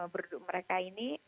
berdua mereka ini